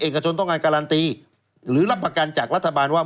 เอกชนต้องการการันตีหรือรับประกันจากรัฐบาลว่า